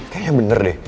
kayaknya bener deh